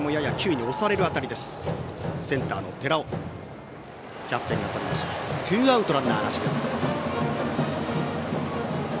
センターの寺尾がとってツーアウト、ランナーなしです。